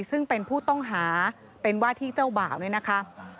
ซึ่งเป็นผู้ต้องหาเป็นว่าที่เจ้าบ่าวเนี่ยนะคะ